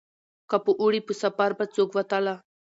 که په اوړي په سفر به څوک وتله